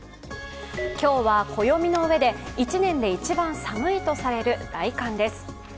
今日は暦のうえで１年で一番寒いとされる大寒です。